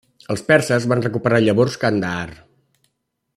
Els perses van recuperar llavors Kandahar.